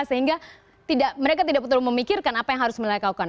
sehingga mereka tidak perlu memikirkan apa yang harus mereka lakukan